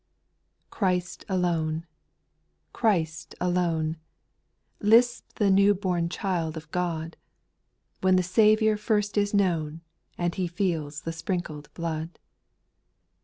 2. Christ alone — Christ alone — Lisps the new born child of God, When the Saviour first is known, And he feels the sprinkled blood.